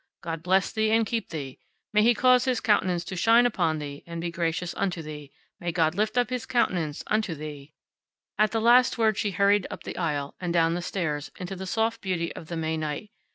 God bless thee and keep thee. May He cause His countenance to shine upon thee and be gracious unto thee. May God lift up His countenance unto thee..." At the last word she hurried up the aisle, and down the stairs, into the soft beauty of the May night.